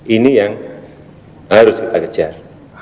ini yang harus kita kejar